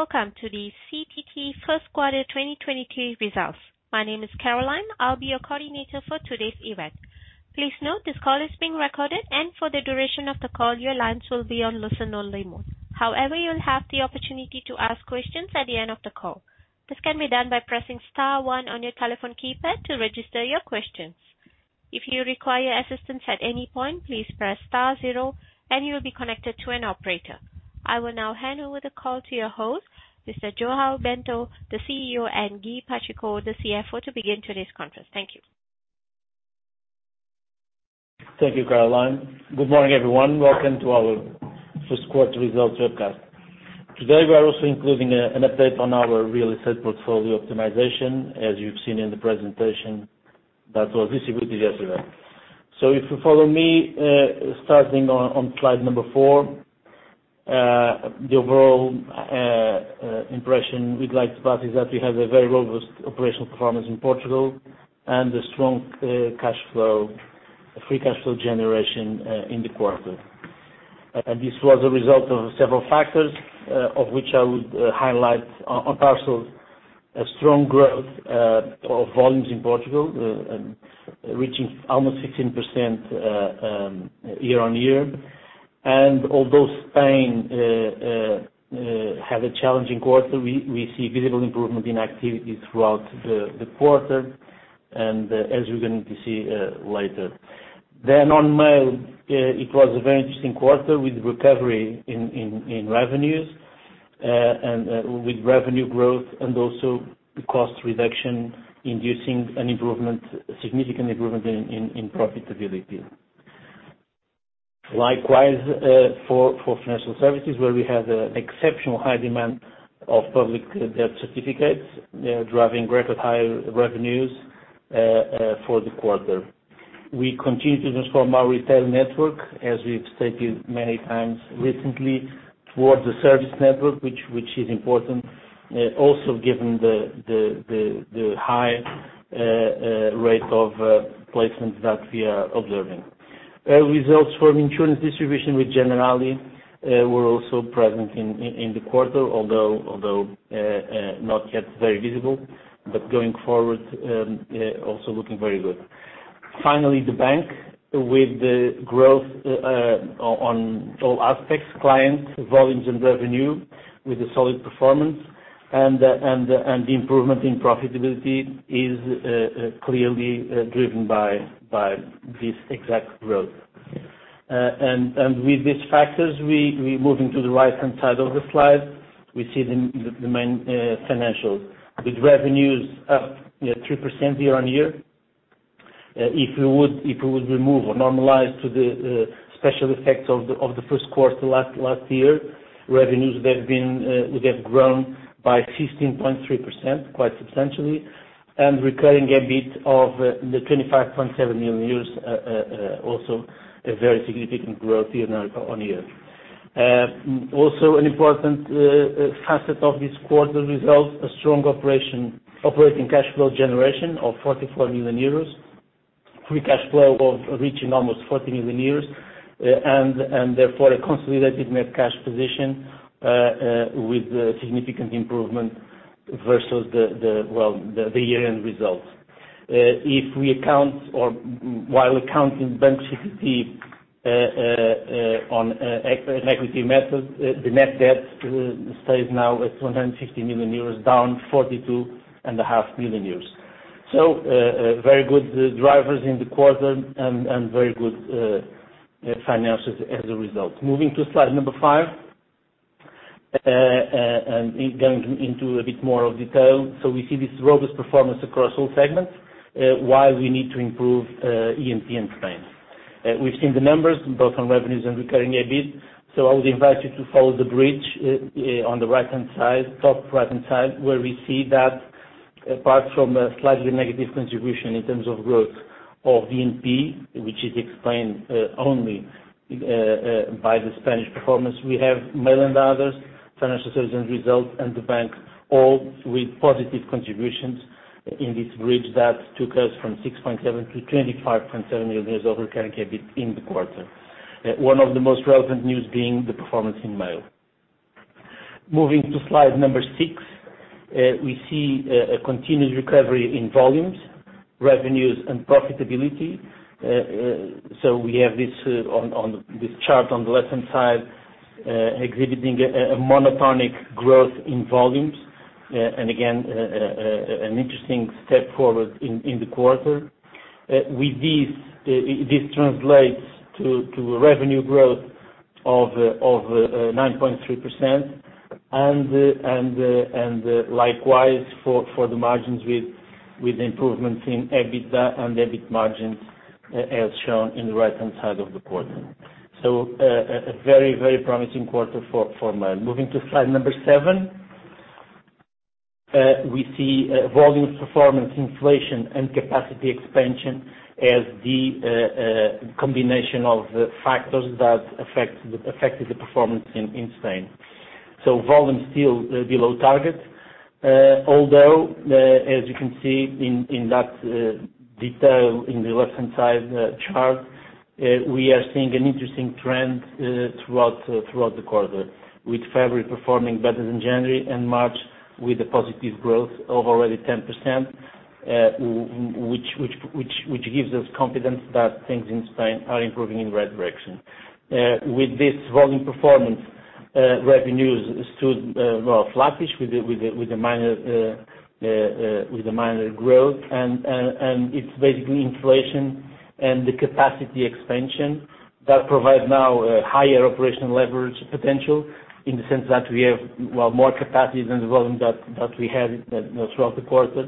Welcome to the CTT first quarter 2022 results. My name is Caroline. I'll be your coordinator for today's event. Please note this call is being recorded and for the duration of the call, your lines will be on listen only mode. However, you'll have the opportunity to ask questions at the end of the call. This can be done by pressing star one on your telephone keypad to register your questions. If you require assistance at any point, please press star zero and you will be connected to an operator. I will now hand over the call to your host, Mr. João Bento, the CEO, and Guy Pacheco, the CFO, to begin today's conference. Thank you. Thank you, Caroline. Good morning, everyone. Welcome to our 1st quarter results webcast. Today, we are also including an update on our real estate portfolio optimization, as you've seen in the presentation that was distributed yesterday. If you follow me, starting on slide four, the overall impression we'd like to pass is that we have a very robust operational performance in Portugal and a strong cash flow, free cash flow generation in the quarter. This was a result of several factors, of which I would highlight on parcel a strong growth of volumes in Portugal, reaching almost 16% year-on-year. Although Spain had a challenging quarter, we see visible improvement in activity throughout the quarter and, as you're going to see, later. On mail, it was a very interesting quarter with recovery in revenues, and with revenue growth and also cost reduction inducing an improvement, significant improvement in profitability. Likewise, for financial services, where we had exceptional high demand of public debt certificates, driving record high revenues, for the quarter. We continue to transform our retail network, as we've stated many times recently, towards a service network, which is important, also given the high rate of placements that we are observing. Results from insurance distribution with Generali, were also present in the quarter, although not yet very visible, but going forward, also looking very good. Finally, the bank with the growth on all aspects, clients, volumes, and revenue with a solid performance and the improvement in profitability is clearly driven by this exact growth. With these factors, we move into the right-hand side of the slide. We see the main financials with revenues up 3% year-on-year. If we would remove or normalize to the special effects of the first quarter last year, revenues they've been, they have grown by 16.3%, quite substantially, and recurring EBIT of 25.7 million euros also a very significant growth year-on-year. Also an important facet of this quarter results, a strong operation, operating cash flow generation of 44 million euros. Free cash flow of reaching almost 40 million euros, and therefore, a consolidated net cash position with a significant improvement versus the well, the year-end results. If we account or while accounting Banco CTT on equity method, the net debt stays now at 250 million euros, down 42 and a half million euros. Very good drivers in the quarter and very good finances as a result. Moving to slide five, and going into a bit more of detail. We see this robust performance across all segments, while we need to improve E&P in Spain. We've seen the numbers both on revenues and Recurring EBIT. I would invite you to follow the bridge on the right-hand side, top right-hand side, where we see that apart from a slightly negative contribution in terms of growth of E&P, which is explained only by the Spanish performance, we have mail and others, financial services results, and the bank, all with positive contributions in this bridge that took us from 6.7 to 25.7 million of recurring EBIT in the quarter. One of the most relevant news being the performance in mail. Moving to slide number six, we see a continued recovery in volumes, revenues, and profitability. We have this on this chart on the left-hand side, exhibiting a monotonic growth in volumes, and again, an interesting step forward in the quarter. With this translates to a revenue growth of 9.3%. Likewise for the margins with improvements in EBITDA and EBIT margins, as shown in the right-hand side of the quarter. A very promising quarter for mail. Moving to slide number seven, we see volumes, performance, inflation, and capacity expansion as the combination of factors that affected the performance in Spain. Volumes still below target. Although, as you can see in that detail in the left-hand side chart, we are seeing an interesting trend throughout the quarter, with February performing better than January and March with a positive growth of already 10%, which gives us confidence that things in Spain are improving in right direction. With this volume performance, revenues stood, well, flattish with a minor growth and it's basically inflation and the capacity expansion that provides now a higher operational leverage potential in the sense that we have, well, more capacity than the volume that we had throughout the quarter.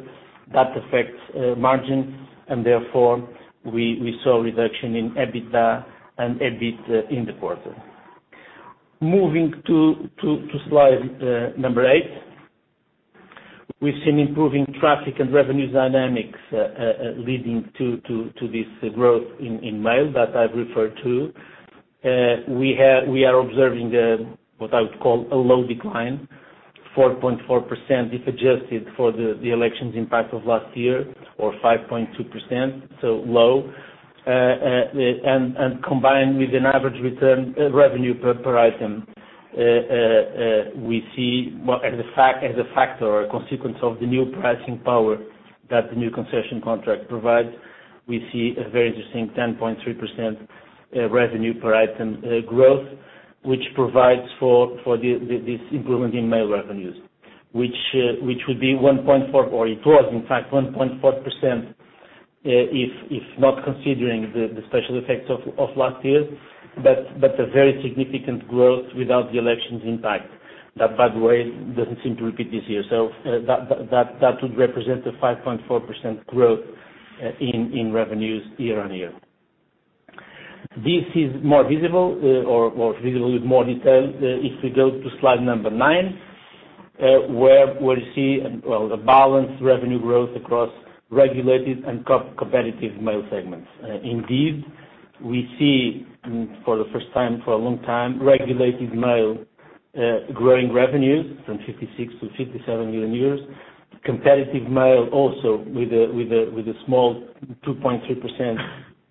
That affects margins, and therefore we saw a reduction in EBITDA and EBIT in the quarter. Moving to slide number eight. We've seen improving traffic and revenue dynamics leading to this growth in mail that I've referred to. We are observing what I would call a low decline, 4.4% if adjusted for the elections impact of last year, or 5.2%, so low. And combined with an average return revenue per item, we see what as a factor or consequence of the new pricing power that the new concession contract provides. We see a very interesting 10.3% revenue per item growth, which provides for the this improvement in mail revenues, which would be 1.4, or it was in fact 1.4%, if not considering the special effects of last year. A very significant growth without the elections impact that, by the way, doesn't seem to repeat this year. That would represent a 5.4% growth in revenues year-on-year. This is more visible, or visible with more detail, if we go to slide number nine, where you see, well, a balanced revenue growth across regulated and competitive mail segments. Indeed, we see for the first time for a long time, regulated mail growing revenues from 56 to 57 million euros. Competitive mail also with a small 2.3%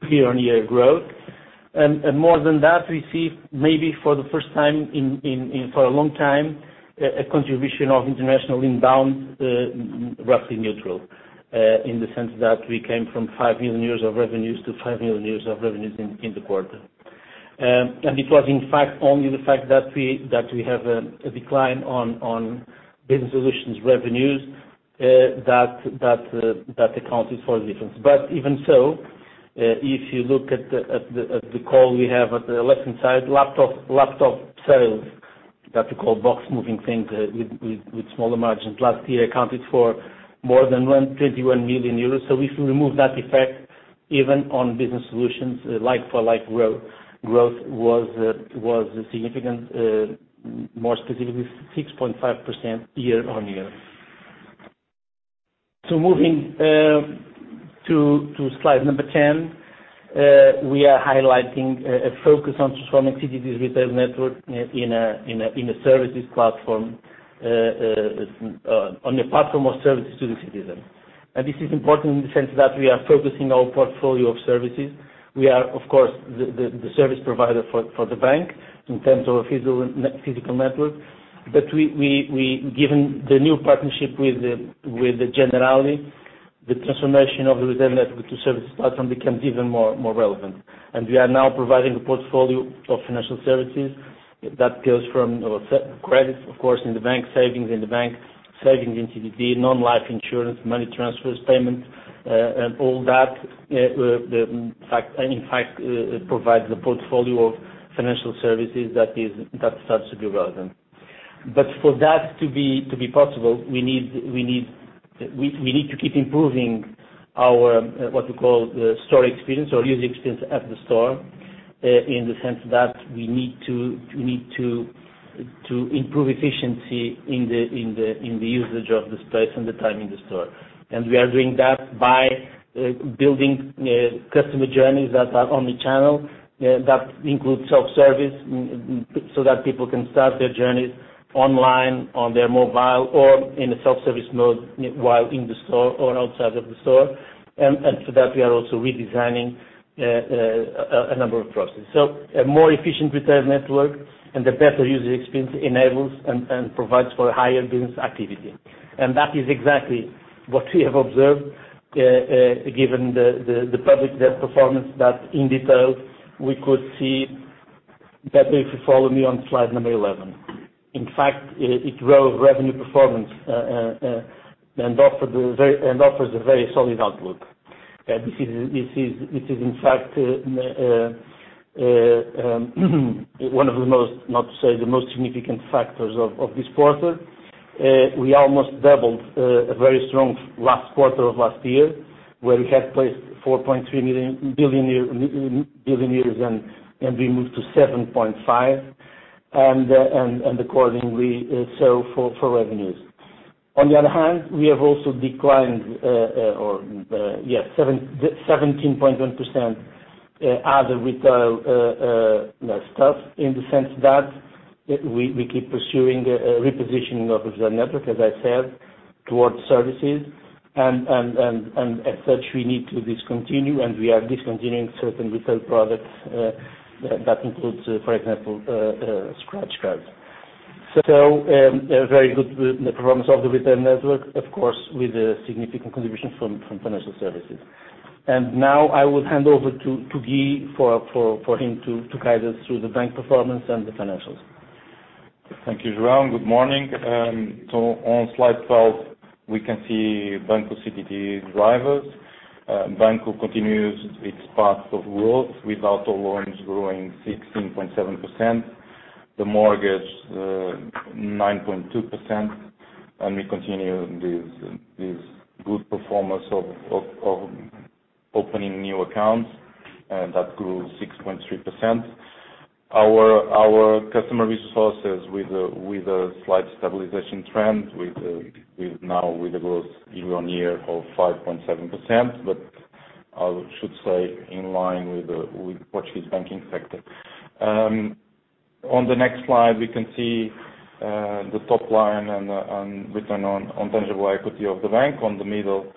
year-on-year growth. More than that, we see maybe for the first time in for a long time, a contribution of international inbound roughly neutral in the sense that we came from 5 million euros of revenues to 5 million euros of revenues in the quarter. It was in fact only the fact that we have a decline on business solutions revenues that accounted for the difference. Even so, if you look at the call we have at the left-hand side, laptop sales that we call box moving things with smaller margins last year accounted for more than 21 million euros. If we remove that effect even on business solutions like-for-like growth was significant, more specifically 6.5% year-on-year. Moving to slide number 10, we are highlighting a focus on transforming CTT's retail network in a services platform, on a platform of services to the citizen. This is important in the sense that we are focusing our portfolio of services. We are, of course, the service provider for the bank in terms of a physical network. We given the new partnership with Generali, the transformation of the retail network to service platform becomes even more relevant. We are now providing a portfolio of financial services that goes from our credits, of course, in the bank, savings in the bank, savings in CTT, non-life insurance, money transfers, payments, and all that. In fact, it provides a portfolio of financial services that starts to be relevant. For that to be possible, we need to keep improving our what we call store experience or user experience at the store, in the sense that we need to improve efficiency in the usage of the space and the time in the store. We are doing that by building customer journeys that are omni-channel, that include self-service so that people can start their journeys online, on their mobile or in a self-service mode while in the store or outside of the store. For that, we are also redesigning a number of processes. A more efficient retail network and the better user experience enables and provides for higher business activity. That is exactly what we have observed given the public debt performance that in detail we could see better if you follow me on slide number 11. In fact, it drove revenue performance and offers a very solid outlook. e of the most, not to say the most significant factors of this quarter. We almost doubled a very strong last quarter of last year, where we had placed 4.3 billion and we moved to 7.5 billion and accordingly so for revenues. On the other hand, we have also declined 17.1% other retail stuff in the sense that we keep pursuing a repositioning of the network, as I said, towards services and as such, we need to discontinue and we are discontinuing certain retail products that includes, for example, scratch cards. A very good performance of the retail network, of course, with a significant contribution from financial services. Now I will hand over to Guy for him to guide us through the bank performance and the financials. Thank you, João. Good morning. On slide 12, we can see Banco CTT drivers. Banco continues its path of growth with auto loans growing 16.7%, the mortgage, 9.2%. We continue this good performance of opening new accounts, and that grew 6.3%. Our customer resources with a slight stabilization trend with now with a growth year-on-year of 5.7%, I should say in line with Portuguese banking sector. On the next slide, we can see the top line and return on tangible equity of the bank. On the middle,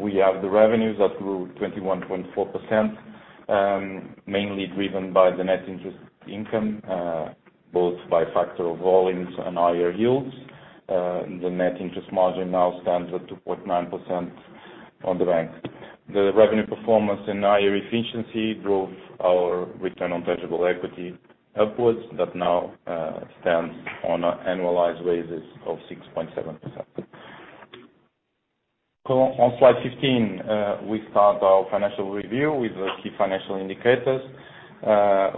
we have the revenues that grew 21.4%, mainly driven by the net interest income, both by factor volumes and higher yields. The net interest margin now stands at 2.9% on the bank. The revenue performance and higher efficiency drove our return on tangible equity upwards that now stands on annualized basis of 6.7%. On slide 15, we start our financial review with the key financial indicators,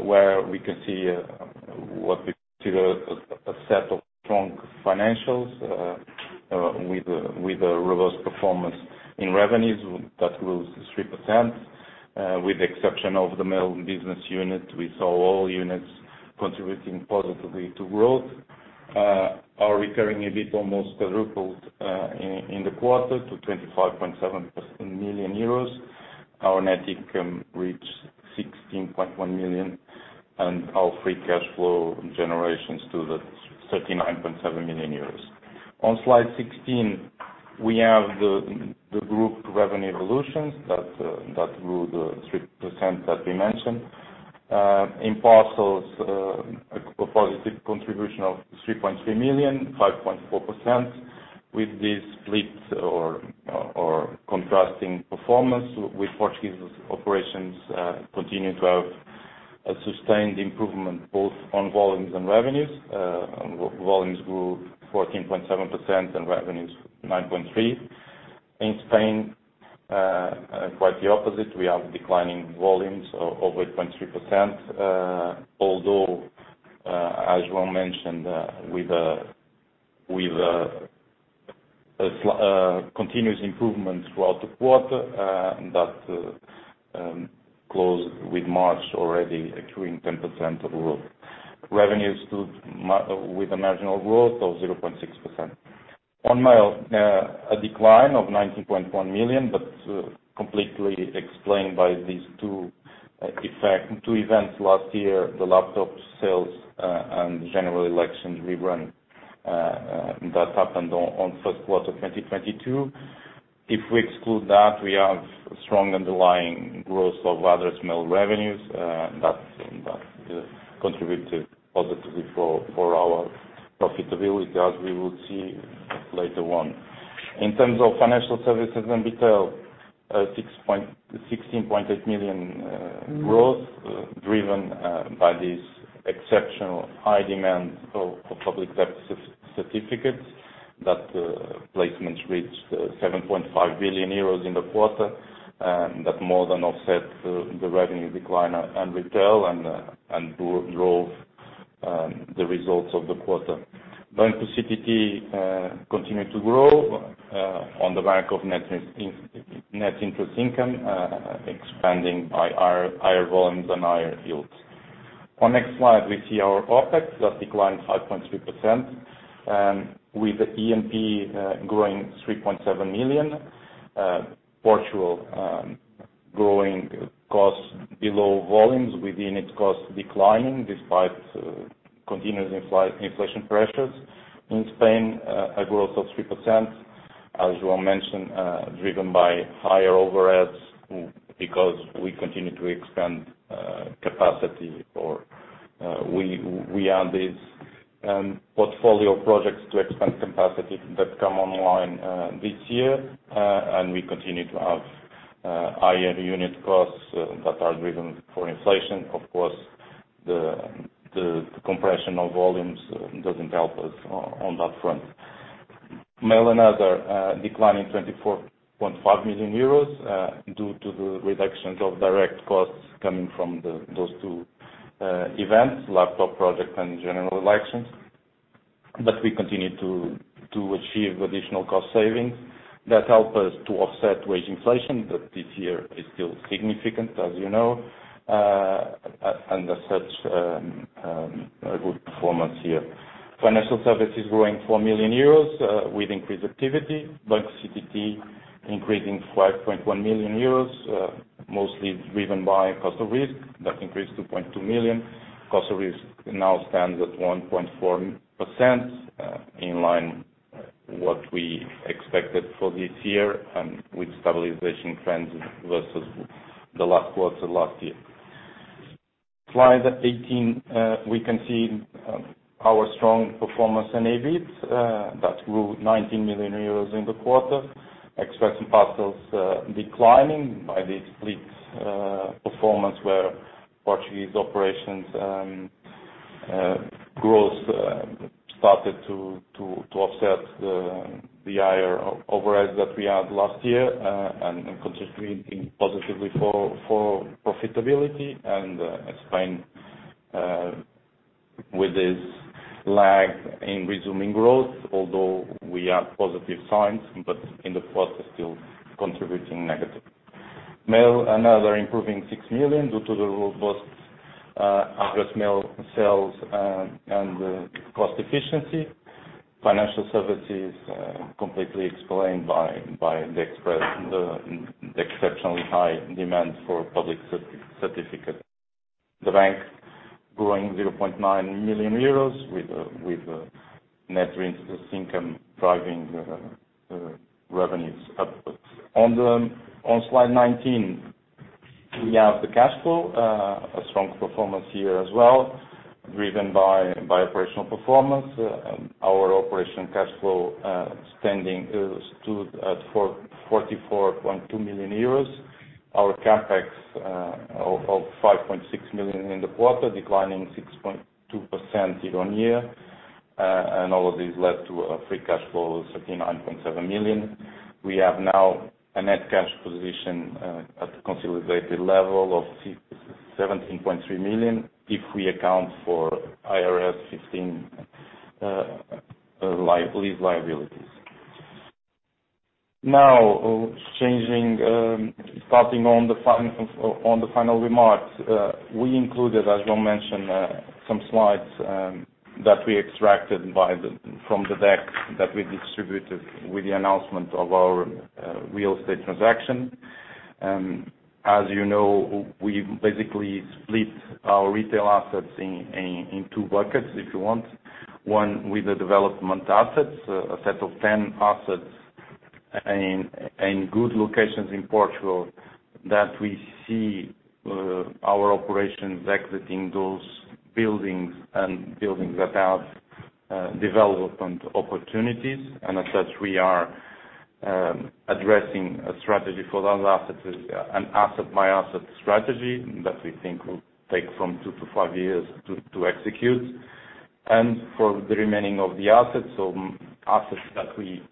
where we can see what we consider a set of strong financials, with a robust performance in revenues that grew 3%. With the exception of the mail business unit, we saw all units contributing positively to growth. Our Recurring EBIT almost quadrupled in the quarter to 25.7 million euros. Our net income reached 16.1 million, and our free cash flow generations to 39.7 million euros. On slide 16, we have the group revenue evolutions that grew the 3% that we mentioned. In parcels, a positive contribution of 3.3 million, 5.4% with this split or contrasting performance with Portuguese operations, continue to have a sustained improvement both on volumes and revenues. Volumes grew 14.7% and revenues 9.3%. In Spain, quite the opposite. We have declining volumes of 8.3%. Although, as João mentioned, with a continuous improvement throughout the quarter, that closed with March already accruing 10% of the growth. Revenues stood with a marginal growth of 0.6%. On mail, a decline of 19.1 million, completely explained by these two events last year, the laptop sales, and general elections rerun, that happened on first quarter of 2022. If we exclude that, we have strong underlying growth of other mail revenues, that contribute positively for our profitability, as we will see later on. In terms of financial services and retail, 16.8 million growth driven by this exceptional high demand of public debt certificates that placements reached 7.5 billion euros in the quarter. That more than offset the revenue decline on, in retail and drove the results of the quarter. Banco CTT continued to grow on the back of net interest income, expanding by higher volumes and higher yields. Next slide, we see our OpEx that declined 5.3%, with E&P growing 3.7 million, Portugal growing costs below volumes within its costs declining despite continuous inflation pressures. In Spain, a growth of 3%, as João mentioned, driven by higher overheads because we continue to expand capacity or we have these portfolio projects to expand capacity that come online this year. We continue to have higher unit costs that are driven for inflation. Of course, the compression of volumes doesn't help us on that front. Mail and other, declining 24.5 million euros, due to the reductions of direct costs coming from those two events, laptop project and general elections. We continue to achieve additional cost savings that help us to offset wage inflation, but this year is still significant, as you know. As such, a good performance here. Financial services growing 4 million euros with increased activity. Banco CTT increasing 5.1 million euros, mostly driven by cost of risk. That increased 2.2 million. Cost of risk now stands at 1.4%, in line what we expected for this year and with stabilization trends versus the last quarter last year. Slide 18, we can see our strong performance in EBIT. That grew 19 million euros in the quarter. Express and parcels, declining by the split performance where Portuguese operations growth started to offset the higher overrides that we had last year, and contributing positively for profitability. Explain with this lag in resuming growth, although we have positive signs, but in the quarter still contributing negative. Mail and other improving 6 million due to the robust address mail sales and cost efficiency. Financial services, completely explained by the express, the exceptionally high demand for public debt certificates. The bank growing 0.9 million euros with net interest income driving the revenues upwards. On slide 19, we have the cash flow. A strong performance here as well, driven by operational performance. Our operation cash flow standing is stood at 44.2 million euros. Our CapEx of 5.6 million in the quarter, declining 6.2% year-on-year. All of this led to a free cash flow of 39.7 million. We have now a net cash position at the consolidated level of 17.3 million if we account for IFRS 15 lease liabilities. Changing, starting on the final remarks, we included, as João mentioned, some slides that we extracted from the deck that we distributed with the announcement of our real estate transaction. As you know, we basically split our retail assets in two buckets, if you want. One with the development assets, a set of 10 assets in good locations in Portugal that we see, our operations exiting those buildings and buildings that have development opportunities. As such, we are addressing a strategy for those assets, an asset by asset strategy that we think will take from two to five years to execute. For the remaining of the assets, so assets that we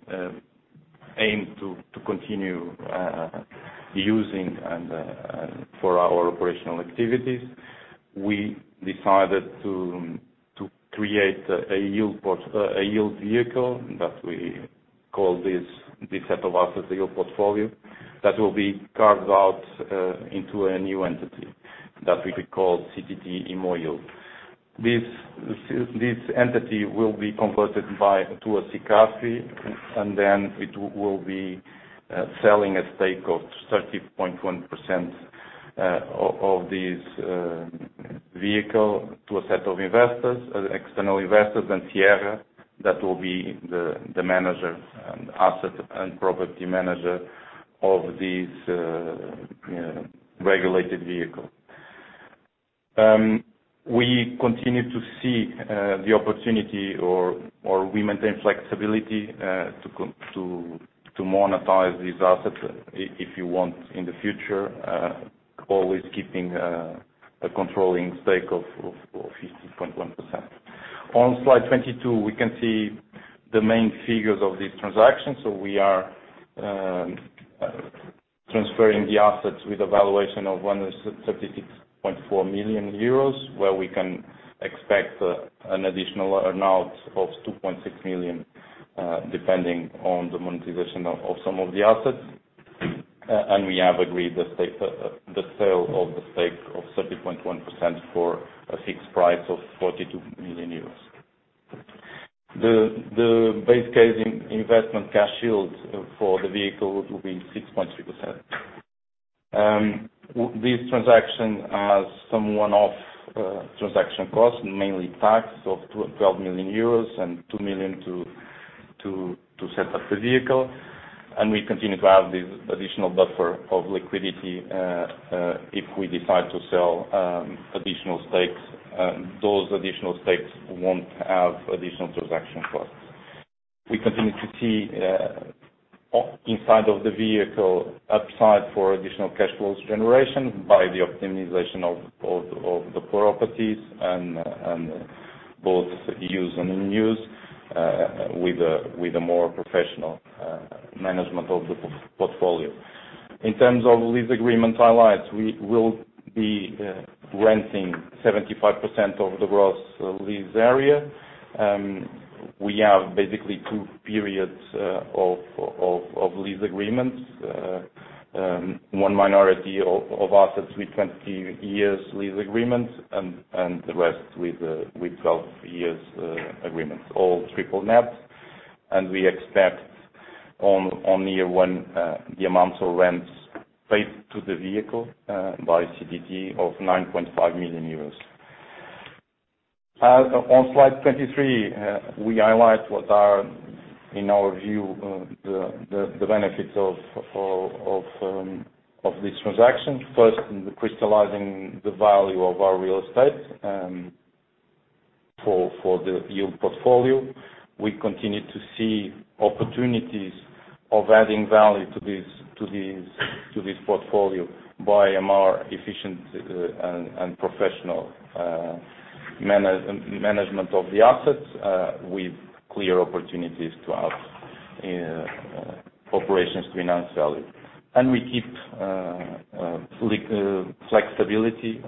aim to continue using and for our operational activities, we decided to create a yield vehicle, that we call this set of assets, the yield portfolio, that will be carved out into a new entity that we could call CTT Immo Yield. This entity will be converted by, to a SICAV, and then it will be selling a stake of 30.1% of this vehicle to a set of investors, external investors, and Sierra, that will be the manager and asset and property manager of this, you know, regulated vehicle. We continue to see the opportunity or we maintain flexibility to monetize these assets if you want in the future, always keeping a controlling stake of 50.1%. On slide 22, we can see the main figures of this transaction. We are transferring the assets with a valuation of 76.4 million euros, where we can expect an additional amount of 2.6 million, depending on the monetization of some of the assets. We have agreed the sale of the stake of 30.1% for a fixed price of 42 million euros. The base case investment cash yield for the vehicle would be 6.3%. This transaction has some one-off transaction costs, mainly tax of 12 million euros and 2 million to set up the vehicle. We continue to have this additional buffer of liquidity if we decide to sell additional stakes. Those additional stakes won't have additional transaction costs. We continue to see inside of the vehicle upside for additional cash flows generation by the optimization of the properties and both used and in use with a more professional management of the portfolio. In terms of lease agreement highlights, we will be renting 75% of the gross lease area. We have basically two periods of lease agreements. One minority of assets with 20 years lease agreements and the rest with 12 years agreements, all triple net. We expect on year one the amounts of rents paid to the vehicle by CTT of 9.5 million euros. On slide 23, we highlight what are, in our view, the benefits of this transaction. First, in the crystallizing the value of our real estate, for the yield portfolio. We continue to see opportunities of adding value to this portfolio by a more efficient and professional management of the assets, with clear opportunities to have operations to enhance value. We keep flexibility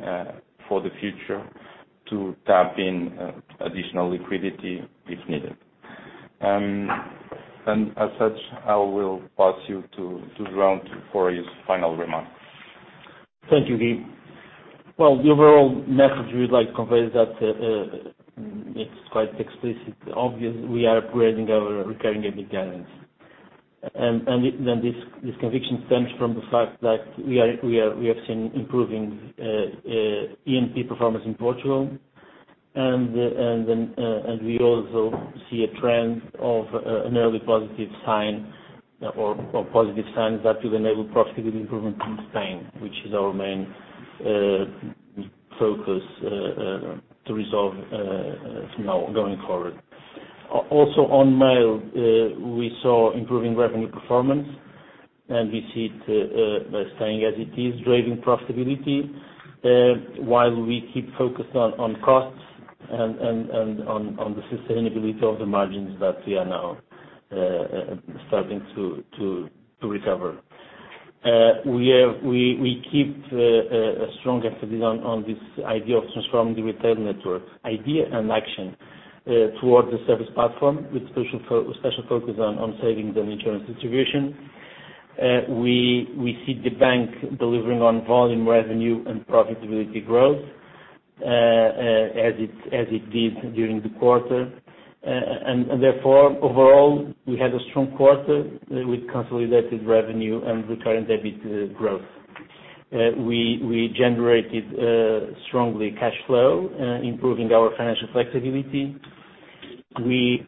for the future to tap in additional liquidity if needed. As such, I will pass you to João for his final remarks. Thank you, Guy. Well, the overall message we would like to convey is that it's quite explicit. Obviously, we are upgrading our recurring EBIT guidance. Then this conviction stems from the fact that we have seen improving E&P performance in Portugal. Then we also see a trend of an early positive sign or positive signs that will enable profitability improvement in Spain, which is our main focus to resolve from now going forward. Also on mail, we saw improving revenue performance, and we see it staying as it is, driving profitability while we keep focused on costs and on the sustainability of the margins that we are now starting to recover. We keep a strong emphasis on this idea of transforming the retail network idea and action towards the service platform with special focus on savings and insurance distribution. We see the bank delivering on volume revenue and profitability growth as it did during the quarter. Therefore, overall, we had a strong quarter with consolidated revenue and recurring EBIT growth. We generated strongly cash flow improving our financial flexibility. We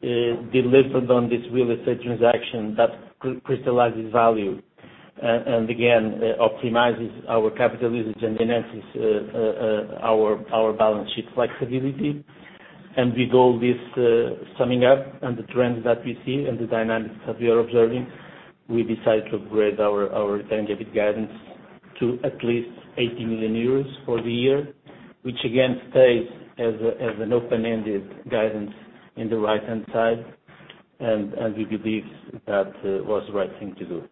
delivered on this real estate transaction that crystallizes value and again, optimizes our capital usage and enhances our balance sheet flexibility. With all this, summing up and the trends that we see and the dynamics that we are observing, we decide to upgrade our EBIT guidance to at least 80 million euros for the year, which again, stays as an open-ended guidance in the right-hand side. We believe that was the right thing to do.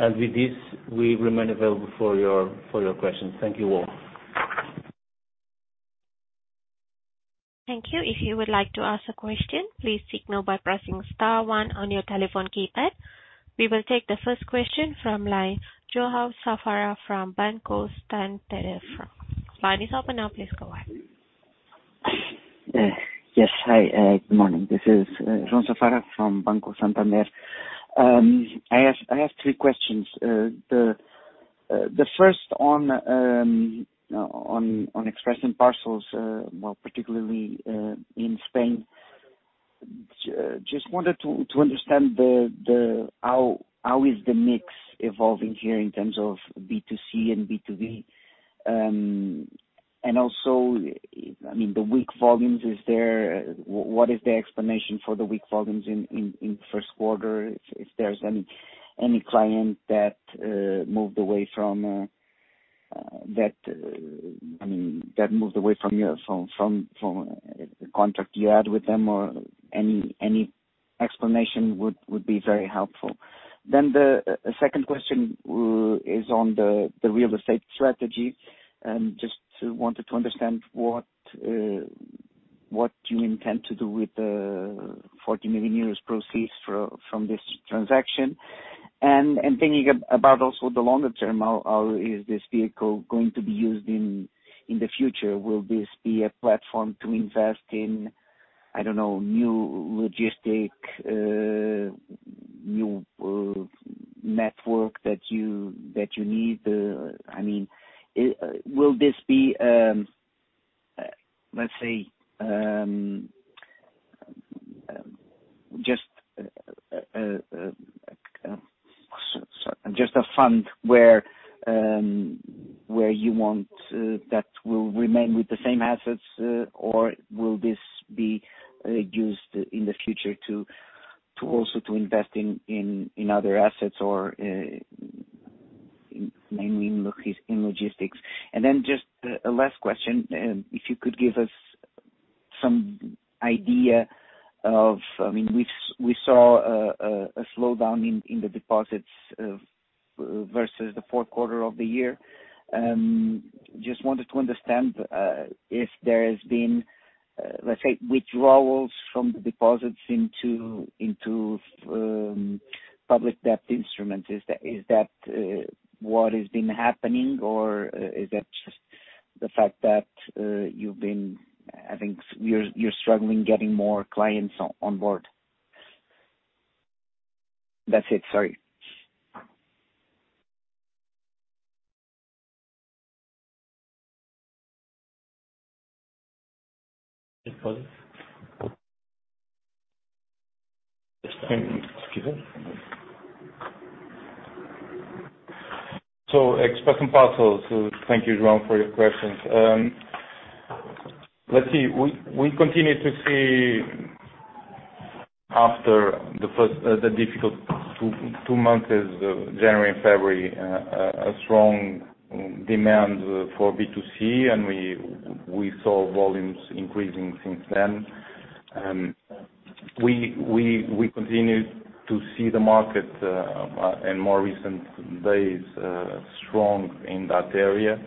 With this, we remain available for your questions. Thank you all. Thank you. If you would like to ask a question, please signal by pressing star one on your telephone keypad. We will take the first question from line, João Safara from Banco Santander. Line is open now. Please go ahead. Yes. Hi, good morning. This is João Safara from Banco Santander. I have three questions. The first on Express & Parcels, more particularly in Spain. Just wanted to understand the mix evolving here in terms of B2C and B2B? Also, I mean, the weak volumes, is there what is the explanation for the weak volumes in first quarter? If there's any client that moved away from that, I mean, that moved away from your contract you had with them or any explanation would be very helpful. The second question is on the real estate strategy. Just to wanted to understand what you intend to do with the 40 million euros proceeds from this transaction. Thinking about also the longer term, how is this vehicle going to be used in the future? Will this be a platform to invest in, I don't know, new logistic, new network that you need? I mean, will this be, let's say, just a fund where you want that will remain with the same assets, or will this be used in the future to also to invest in other assets or mainly in logistics? Just a last question, if you could give us some idea of, I mean, we saw a slowdown in the deposits versus the fourth quarter of the year. Just wanted to understand if there has been, let's say, withdrawals from the deposits into, public debt instruments? Is that what has been happening or is that just the fact that I think you're struggling getting more clients on board? That's it. Sorry. Excuse me. Express & Parcels. Thank you, João, for your questions. Let's see. We continue to see after the first, the difficult two months as January and February, a strong demand for B2C, and we saw volumes increasing since then. We continue to see the market in more recent days strong in that area.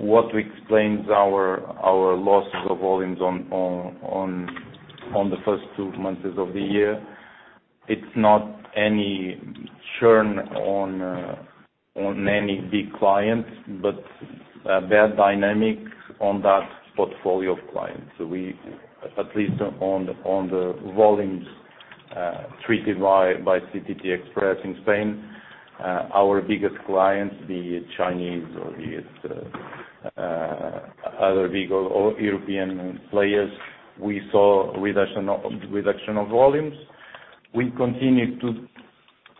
What explains our losses of volumes on the first two months of the year, it's not any churn on any big clients, but bad dynamics on that portfolio of clients. We at least on the volumes treated by CTT Express in Spain, our biggest clients, be it Chinese or be it other big or European players, we saw reduction of volumes. We continue to,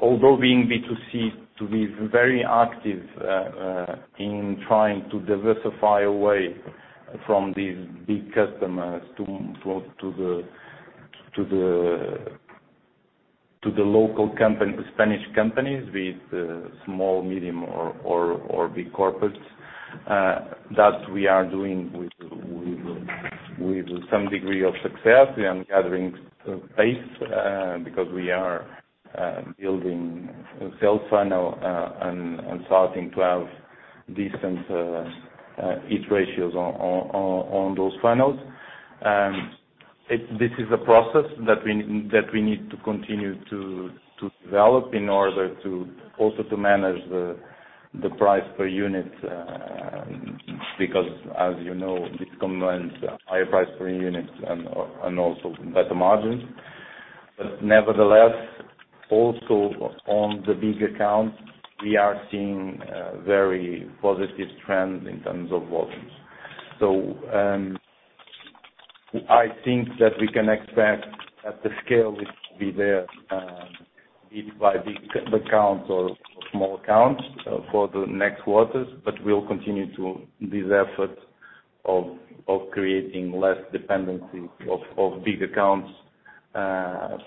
although being B2C, to be very active in trying to diversify away from these big customers to the local Spanish companies with small, medium or big corporates that we are doing with some degree of success. We are gathering pace because we are building a sales funnel and starting to have decent hit ratios on those funnels. This is a process that we need to continue to develop in order to also to manage the price per unit, because as you know, this combines higher price per unit and also better margins. Nevertheless, also on the big accounts, we are seeing very positive trends in terms of volumes. I think that we can expect at the scale which will be there, be it by big accounts or small accounts, for the next quarters. We'll continue to these efforts of creating less dependency of big accounts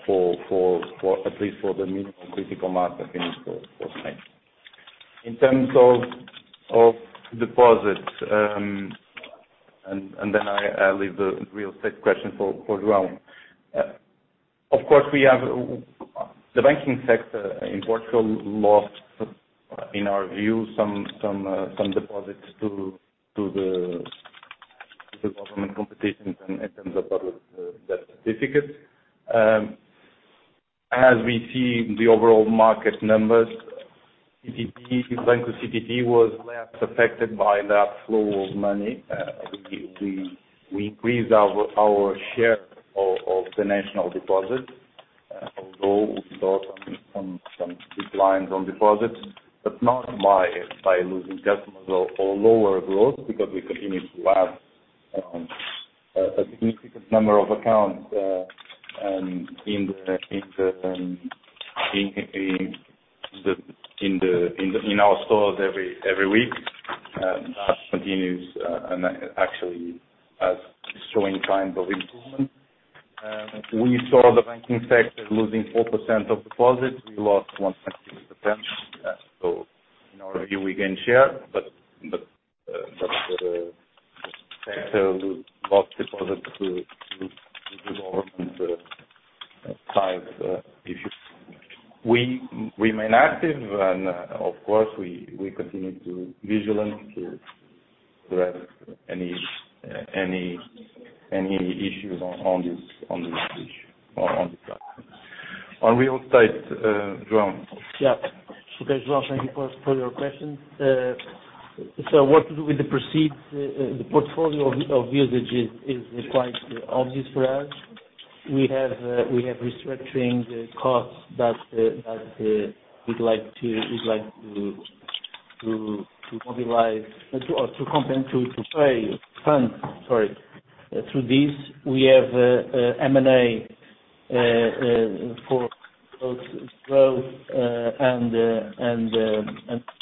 for at least for the minimum critical mass, I think for Spain. In terms of deposits, then I leave the real estate question for João. Of course, the banking sector in Portugal lost, in our view some deposits to the government competitions in terms of public debt certificates. As we see the overall market numbers, CTT, Banco CTT was less affected by that flow of money. We increased our share of the national deposits, although we saw some declines on deposits, but not by losing customers or lower growth because we continue to add a significant number of accounts in our stores every week. That continues and actually as showing signs of improvement. We saw the banking sector losing 4% of deposits. We lost 1.6%. In our view, we gain share. Lost deposits to the government side issues. We remain active and of course we continue to vigilant to any issues on this issue or on this platform. On real estate, João. Okay, João, thank you for your question. What to do with the proceeds? The portfolio of usage is quite obvious for us. We have restructuring the costs that we'd like to mobilize or to compare to pay fund, sorry. Through this, we have M&A for growth,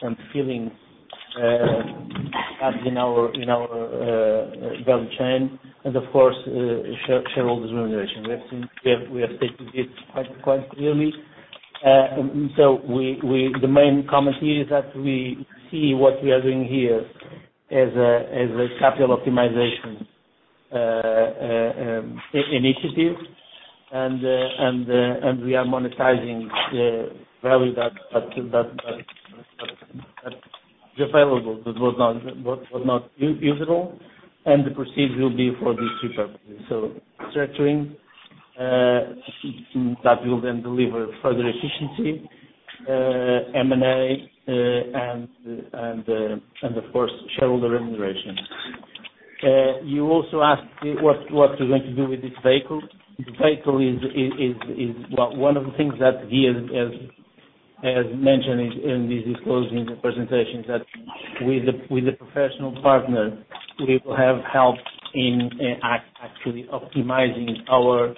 and feeling up in our value chain and of course, shareholder remuneration. We have stated it quite clearly. The main comment here is that we see what we are doing here as a capital optimization initiative and we are monetizing the value that's available but was not usable, and the proceeds will be for these three purposes. Structuring that will then deliver further efficiency, M&A, and of course, shareholder remuneration. You also asked what we're going to do with this vehicle. The vehicle is. Well, one of the things that Guy has mentioned in this closing the presentation is that with the professional partner, we will have helped actually optimizing our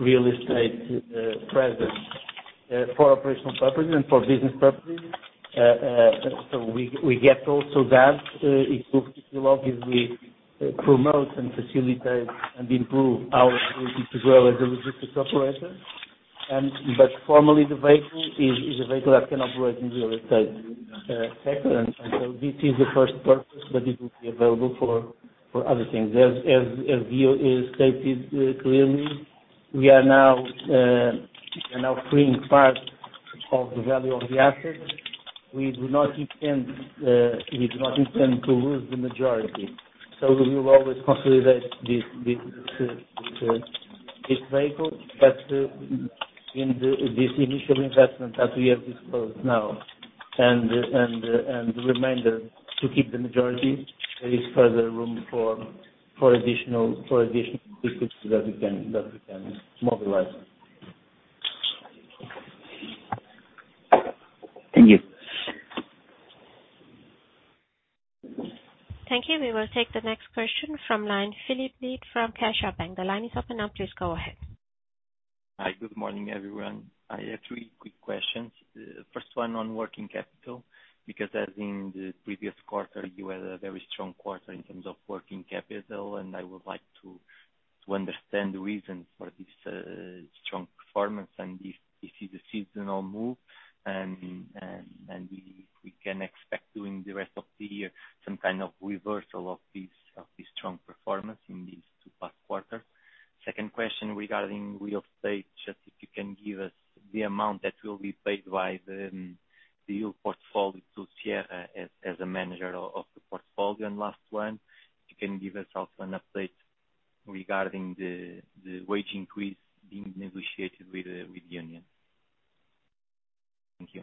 real estate presence for operational purposes and for business purposes. We get also that it will obviously promote and facilitate and improve our ability to grow as a logistics operator and but formally the vehicle is a vehicle that can operate in real estate sector. This is the first purpose, but it will be available for other things. As Guy has stated, clearly, we are now freeing parts of the value of the assets. We do not intend to lose the majority. We will always consolidate this vehicle. In the, this initial investment that we have disclosed now and the remainder to keep the majority, there is further room for additional resources that we can mobilize. Thank you. Thank you. We will take the next question from line, Filipe Leite from CaixaBank. The line is open now, please go ahead. Hi. Good morning, everyone. I have three quick questions. First one on working capital, because as in the previous quarter, you had a very strong quarter in terms of working capital. I would like to understand the reasons for this strong performance and if it's a seasonal move and we can expect during the rest of the year some kind of reversal of this strong performance in these two past quarters. Second question regarding real estate, just if you can give us the amount that will be paid by the yield portfolio to Sierra as a manager of the portfolio. Last one, if you can give us also an update regarding the wage increase being negotiated with the union. Thank you.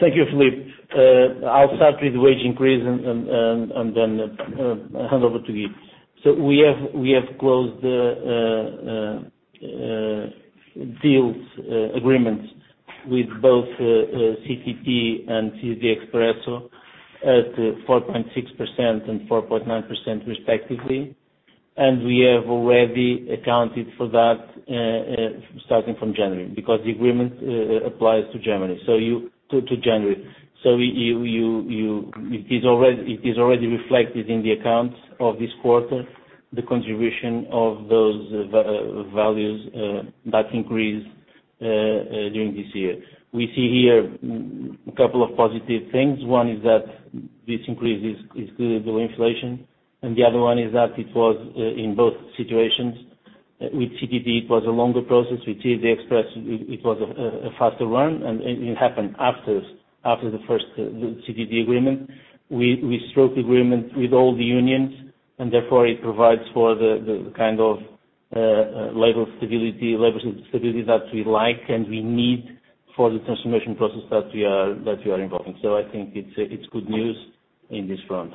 Thank you, Filipe. I'll start with wage increase and then I'll hand over to Guy. We have closed deals, agreements with both CTT and TVI Express at 4.6% and 4.9% respectively. We have already accounted for that starting from January, because the agreement applies to January. To January. It is already reflected in the accounts of this quarter, the contribution of those values that increase during this year. We see here a couple of positive things. One is that this increase is due to inflation, and the other one is that it was in both situations. With CTT, it was a longer process. With TVI Express, it was a faster one, and it happened after the first CTT agreement. We struck agreement with all the unions, therefore it provides for the kind of labor stability that we like and we need for the transformation process that we are involving. I think it's good news in this front.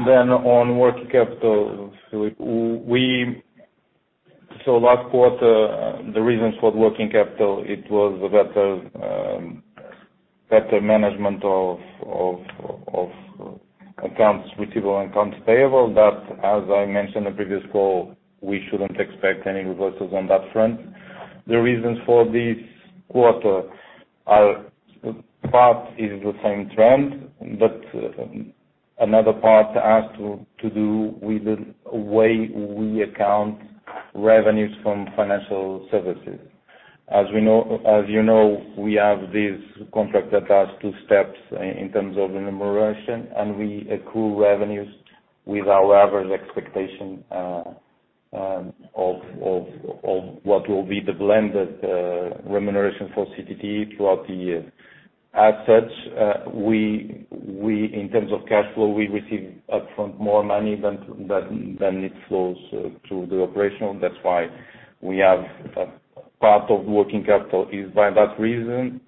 On working capital, Filipe. Last quarter, the reasons for working capital, it was a better management of accounts receivable and accounts payable that, as I mentioned in the previous call, we shouldn't expect any reversals on that front. The reasons for this quarter are part is the same trend, but another part has to do with the way we account revenues from financial services. As you know, we have this contract that has two steps in terms of remuneration, and we accrue revenues with our average expectation of what will be the blended remuneration for CTT throughout the year. As such, we, in terms of cash flow, we receive upfront more money than it flows through the operational. That's why we have part of working capital is by that reason.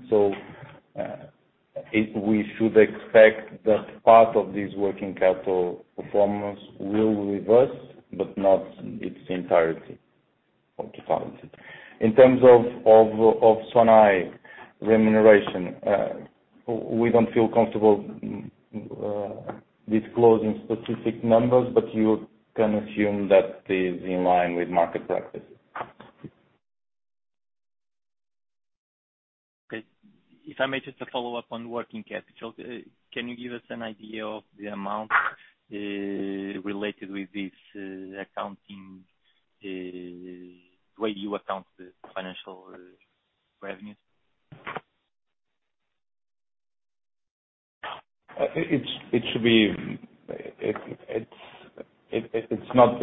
We should expect that part of this working capital performance will reverse, but not its entirety, how to balance it. In terms of Sonae remuneration, we don't feel comfortable disclosing specific numbers, but you can assume that is in line with market practices. Okay. If I may just a follow-up on working capital. Can you give us an idea of the amount related with this accounting, the way you account the financial revenues? It's not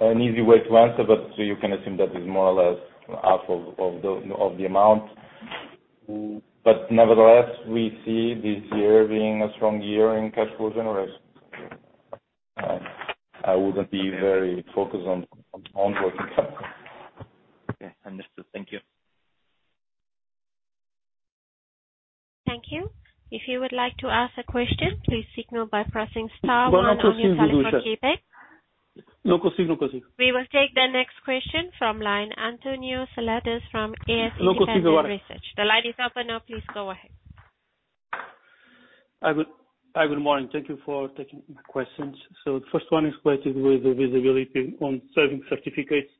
an easy way to answer, but so you can assume that it's more or less half of the amount. Nevertheless, we see this year being a strong year in cash flow generation. I wouldn't be very focused on working capital. Okay, understood. Thank you. Thank you. If you would like to ask a question, please signal by pressing star one on your telephone keyboard. We will take the next question from line, António Seladas from AS Independent Research. The line is open now. Please go ahead. Hi, good morning. Thank you for taking the questions. The first one is related with the visibility on serving certificates,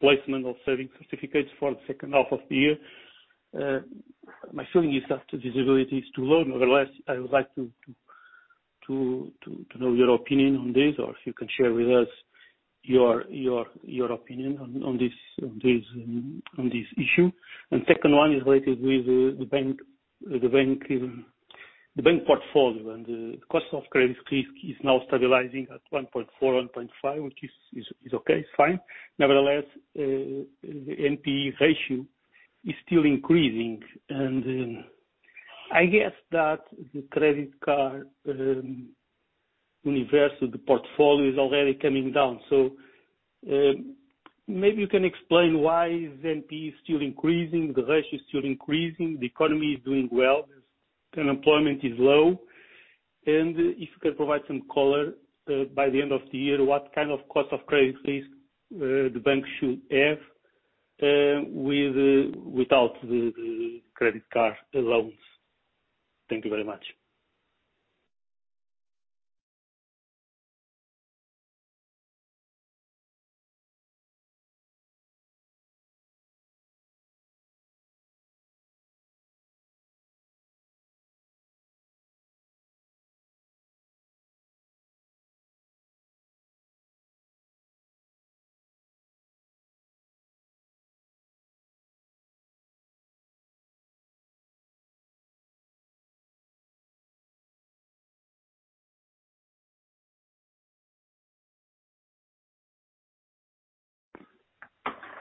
placement of serving certificates for the second half of the year. My feeling is that the visibility is too low. Nevertheless, I would like to know your opinion on this, or if you can share with us your opinion on this issue. The second one is related with the bank portfolio and the cost of credit risk is now stabilizing at 1.4%, 1.5%, which is okay, it's fine. Nevertheless, the NPE ratio is still increasing. I guess that the credit card universe of the portfolio is already coming down. Maybe you can explain why is NPE still increasing, the ratio is still increasing, the economy is doing well, unemployment is low. If you can provide some color by the end of the year, what kind of cost of credit risk the bank should have without the credit card loans? Thank you very much.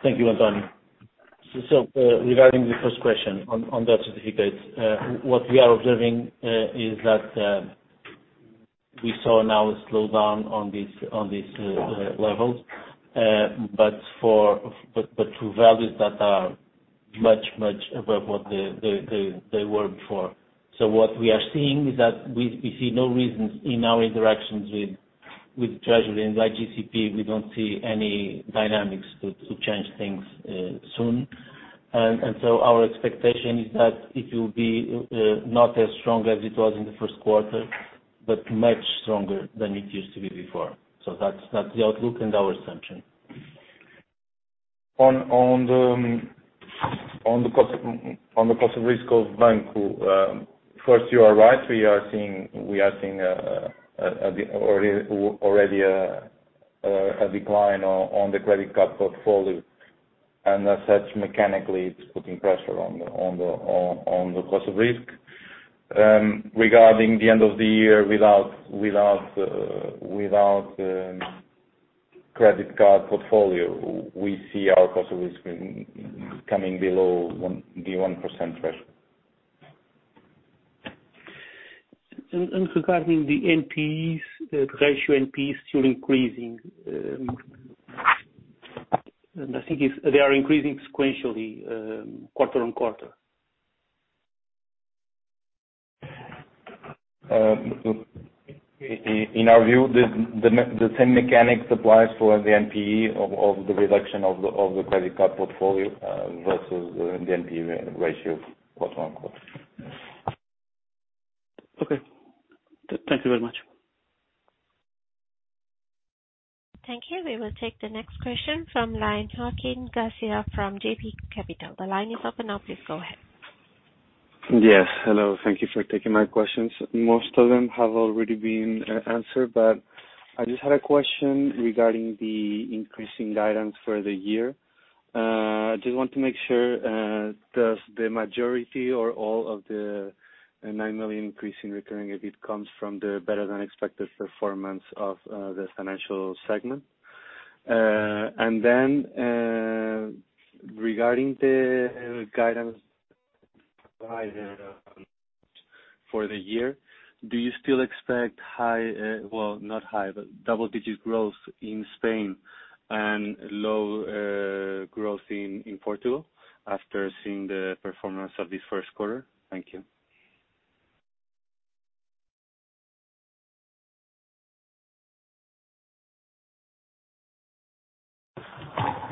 Thank you, António. Regarding the first question on that certificate, what we are observing is that we saw now a slowdown on these levels. But through values that are much above what they were before. What we are seeing is that we see no reasons in our interactions with Treasury and IGCP. We don't see any dynamics to change things soon. Our expectation is that it will be not as strong as it was in the first quarter, but much stronger than it used to be before. That's the outlook and our assumption. On the cost of risk of bank, first, you are right. We are seeing already a decline on the credit card portfolio. As such, mechanically it's putting pressure on the cost of risk. Regarding the end of the year without credit card portfolio, we see our cost of risk coming below the 1% threshold. Regarding the NPEs, ratio NPE still increasing, they are increasing sequentially, quarter-on-quarter. In our view, the same mechanics applies for the NPE of the reduction of the credit card portfolio, versus the NPE ratio quarter-on-quarter. Okay. Thank you very much. Thank you. We will take the next question from line, Joaquín García from JB Capital. The line is open now, please go ahead. Yes. Hello. Thank you for taking my questions. Most of them have already been answered, but I just had a question regarding the increasing guidance for the year. I just want to make sure, does the majority or all of the 9 million increase in Recurring EBITDA comes from the better than expected performance of the financial segment? Regarding the guidance provided for the year, do you still expect high, well, not high, but double-digit growth in Spain and low growth in Portugal after seeing the performance of this first quarter? Thank you.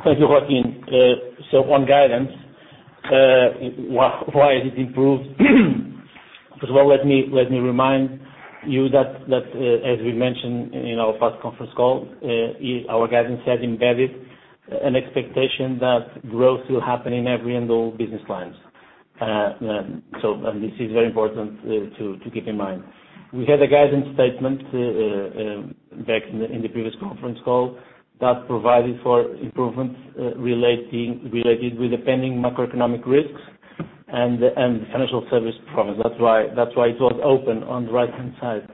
Thank you, Joaquín. On guidance, why it improved. First of all, let me remind you that as we mentioned in our past conference call, our guidance has embedded an expectation that growth will happen in every and all business lines. This is very important to keep in mind. We had a guidance statement back in the previous conference call that provided for improvements related with the pending macroeconomic risks and financial service promise. That's why it was open on the right-hand side.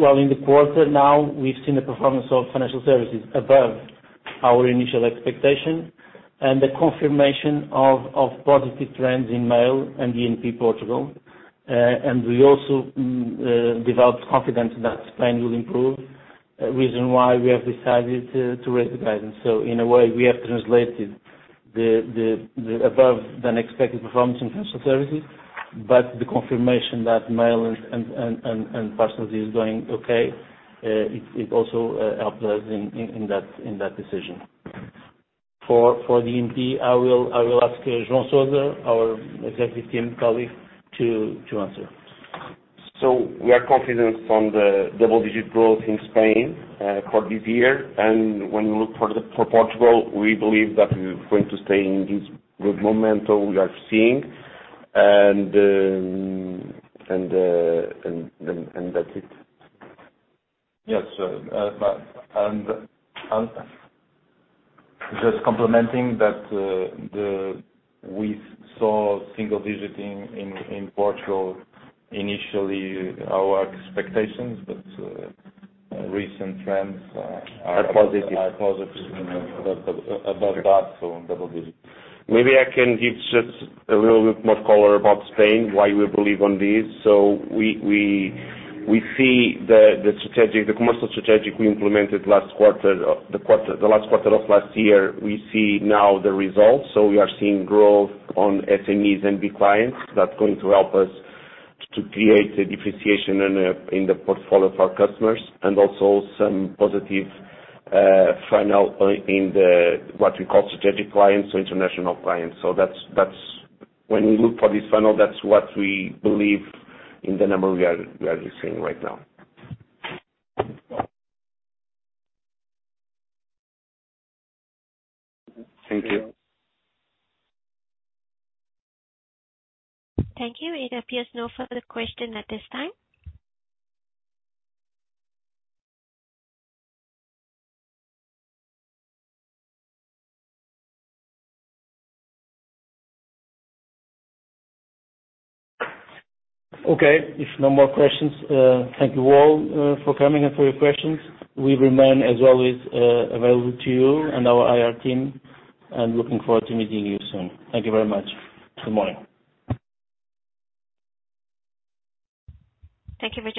Well, in the quarter now, we've seen the performance of financial services above our initial expectation and the confirmation of positive trends in mail and E&P Portugal. We also developed confidence that Spain will improve, a reason why we have decided to raise the guidance. In a way, we have translated the above than expected performance in financial services, but the confirmation that mail and parcels is going okay, it also helped us in that decision. For BNP, I will ask João Sousa, our executive team colleague to answer. We are confident on the double-digit growth in Spain for this year. When we look for Portugal, we believe that we're going to stay in this good momentum we are seeing. That's it. Yes. Just complementing that, we saw single digit in Portugal, initially our expectations. Recent trends are positive above that, so double digits. Maybe I can give just a little bit more color about Spain, why we believe on this. We see the strategic, the commercial strategic we implemented last quarter, the last quarter of last year. We see now the results. We are seeing growth on SMEs and big clients. That's going to help us to create a differentiation in the portfolio of our customers and also some positive funnel in the, what we call strategic clients, so international clients. That's when we look for this funnel, that's what we believe in the number we are seeing right now. Thank you. Thank you. It appears no further question at this time. Okay. If no more questions, thank you all for coming and for your questions. We remain, as always, available to you and our IR team, looking forward to meeting you soon. Thank you very much. Good morning. Thank you very much.